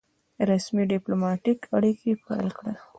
رسمي ډيپلوماټیک اړیکي پیل کړل.